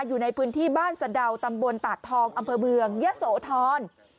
อยู่ในพื้นที่บ้านสะดาวตำบลตาดทองอำเภอเมืองยะโสธร